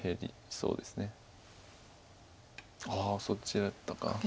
そっちだったか。